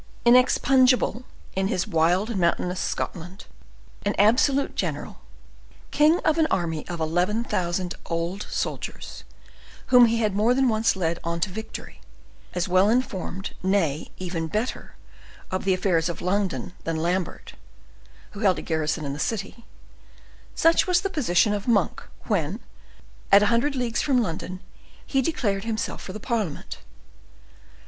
Inexpugnable in his wild and mountainous Scotland, an absolute general, king of an army of eleven thousand old soldiers, whom he had more than once led on to victory; as well informed, nay, even better, of the affairs of London, than Lambert, who held garrison in the city,—such was the position of Monk, when, at a hundred leagues from London, he declared himself for the parliament.